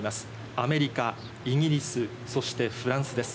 アメリカ、イギリス、そしてフランスです。